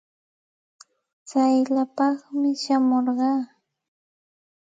Tsayllapaami shamurqaa.